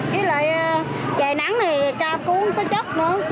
trời nắng này cam cũng có chất